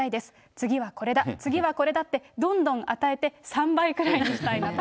次はこれだ、次はこれだって、どんどん与えて、３倍くらいにしたいなと。